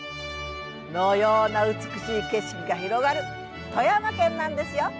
のような美しい景色が広がる富山県なんですよ。